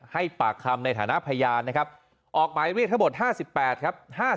ให้ปากคำในฐานะพยานนะครับออกหมายเรียกทั้งหมด๕๘ครับ